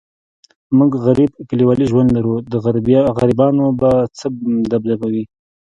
موږ غریب کلیوالي ژوند لرو، د غریبانو به څه دبدبه وي.